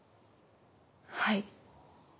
はい。